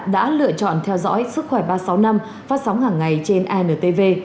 đã lựa chọn theo dõi sức khỏe ba trăm sáu mươi năm phát sóng hàng ngày trên intv